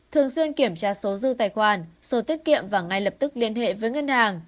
thường xuyên kiểm tra số dư tài khoản sổ tiết kiệm và ngay lập tức liên hệ với ngân hàng